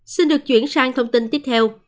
xin được chuyển sang thông tin tiếp theo